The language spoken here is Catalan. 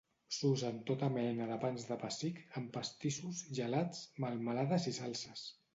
S'usa en tota mena de pans de pessic, en pastissos, gelats, melmelades i salses.